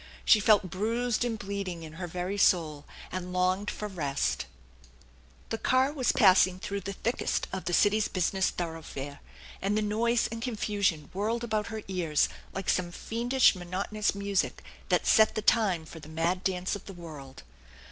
She felt bruised and bleeding in her very soul, and longed for rest. 10 THE ENCHANTED BARN The car was passing through the thickest of the city's business thoroughfare, and the noise and confusion whirled about her ears like some fiendish monotonous music that set the time for the mad dancs of the world.